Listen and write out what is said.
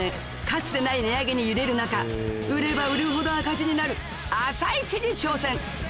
かつてない値上げに揺れる中売れば売るほど赤字になる朝市に挑戦